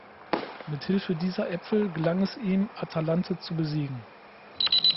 Mit Hilfe dieser Äpfel gelang es ihm Atalante zu besiegen.